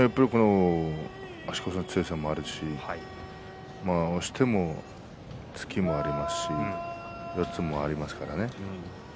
足腰の強さもあるし押しても突きもありますし四つもありますからね。